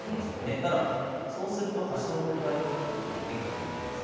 ただそうすると端の位って結構生きてきたと思うんですよ。